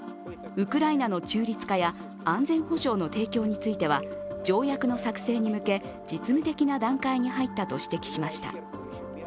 ウクライナの中立化や安全保障の提供については条約の作成に向け、実務的な段階に入ったと指摘しました。